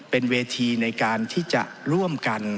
เป็นเวทีในการที่จะร่วมกัน